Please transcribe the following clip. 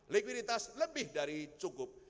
likuiditas lebih dari cukup